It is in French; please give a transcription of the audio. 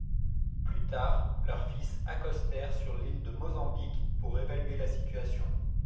Plus tard, leur fils accostèrent sur l'île de Mozambique pour évaluer la situation.